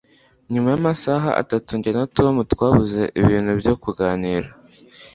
Nyuma yamasaha atatu, jye na Tom twabuze ibintu byo kuganira.